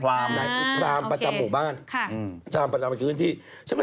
เป็นพรามพรามประจำหมู่บ้านจ้ำประจำก็คือหนึ่งที่